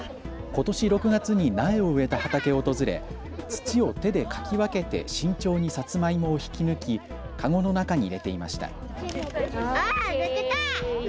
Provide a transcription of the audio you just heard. ことし６月に苗を植えた畑を訪れ土を手でかき分けて慎重にさつまいもを引き抜きかごの中に入れていました。